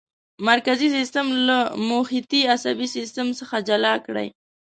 مرکزي سیستم له محیطي عصبي سیستم څخه جلا کړئ.